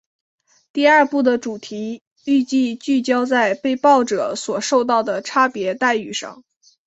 第二部的主题预计聚焦在被爆者所受到的差别待遇上。